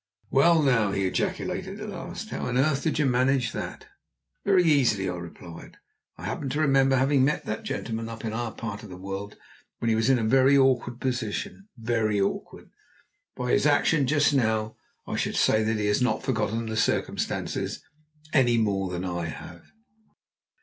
"Well, now," he ejaculated at last, "how on earth did you manage that?" "Very easily," I replied. "I happened to remember having met that gentleman up in our part of the world when he was in a very awkward position very awkward. By his action just now I should say that he has not forgotten the circumstance any more than I have."